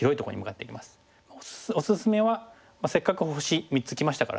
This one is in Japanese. おすすめはせっかく星３つきましたからね